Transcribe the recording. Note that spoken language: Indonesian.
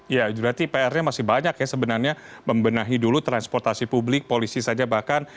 ya berarti pr nya masih banyak ya sebenarnya membenahi dulu transportasi publik polisi saja bahkan